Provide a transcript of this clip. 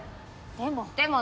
でも。